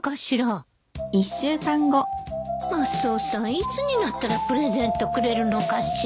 いつになったらプレゼントくれるのかしら。